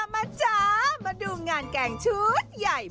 มาจ้ามาดูงานแกงชุดใหญ่